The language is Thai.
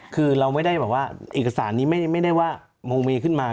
คือเราไม่ได้แบบว่าเอกสารนี้ไม่ได้ว่าโมเมขึ้นมา